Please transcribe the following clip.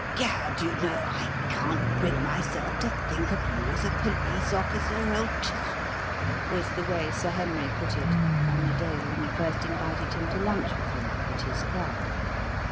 "Gad! you know, I can't bring myself to think of you as a police officer, old chap!" was the way Sir Henry put it on the day when he first invited him to lunch with him at his club.